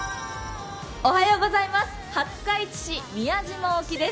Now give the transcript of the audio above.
廿日市市宮島沖です。